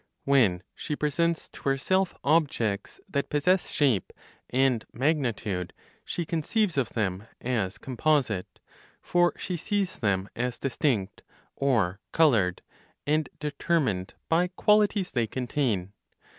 When she presents to herself objects that possess shape and magnitude, she conceives of them as composite; for she sees them as distinct (or, colored?) and determined by qualities they contain.